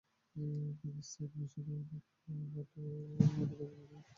তিনি Saint Michel de কুঁইয়ের মঠাধ্যক্ষ ছিলেন।